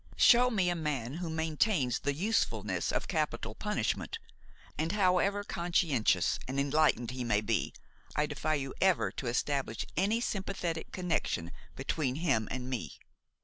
Show me a man who maintains the usefulness of capital punishment, and, however conscientious and enlightened he may be, I defy you ever to establish any sympathetic connection between him and me.